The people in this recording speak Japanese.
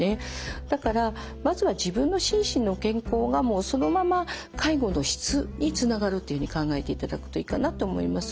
だからまずは自分の心身の健康がそのまま介護の質につながるっていうふうに考えていただくといいかなと思います。